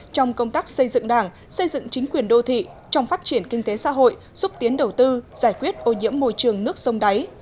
trong công tác xây dựng đảng xây dựng chính quyền đô thị trong phát triển kinh tế xã hội xúc tiến đầu tư giải quyết ô nhiễm môi trường nước sông đáy